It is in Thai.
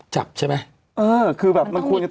จับใช่ไหมมันต้องมีกฎ